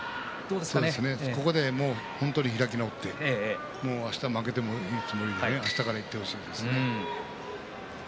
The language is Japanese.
ここで本当に開き直って負けてもいいというつもりであしたからいってほしいですね。